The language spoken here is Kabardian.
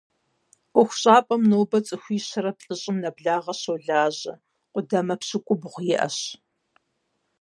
Ӏуэхущӏапӏэм нобэ цӏыхуи щэрэ плӏыщӏэм нэблагъэ щолажьэ, къудамэ пщыкӏубгъу иӏэщ.